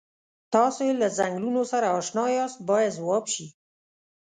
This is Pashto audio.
تاسو له څنګلونو سره اشنا یاست باید ځواب شي.